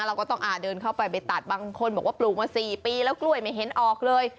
เราก็ต้องเดินเข้าไปไปตัดบางคนบอกว่าปลูกมา๔ปีแล้วกล้วยไม่เห็นออกเลย